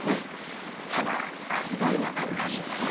ただアリバイがあるらしいんだな。